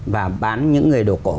và bán những người đồ cổ